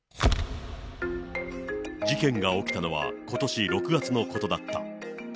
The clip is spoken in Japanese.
事件が起きたのはことし６月のことだった。